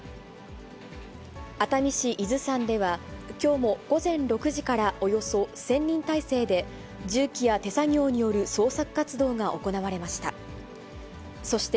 熱海市伊豆山では、きょうも午前６時からおよそ１０００人態勢で、重機や手作業による捜索活動が行われました。